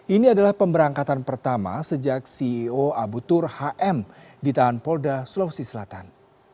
ini adalah pemberangkatan pertama sejak ceo abu tur hm ditahan polda sulawesi selatan